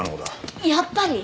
やっぱり？